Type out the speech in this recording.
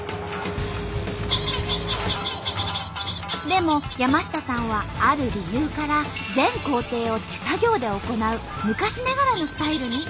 でも山下さんはある理由から全工程を手作業で行う昔ながらのスタイルにこだわっとんと。